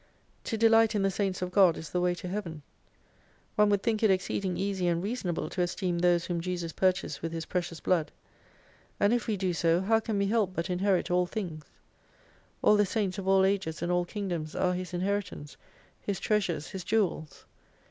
To delight in the Saints of God is the way to Heaven. One would think it exceeding easy and reasonable to esteem those whom Jesus purchased with His precious blood. And if we do so how can we help but inherit all things. All the Saints of all Ages and all Kingdoms are His inheritance, His treasures, His jewels.